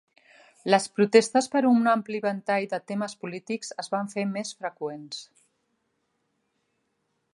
Les protestes per un ampli ventall de temes polítics es van fer més freqüents.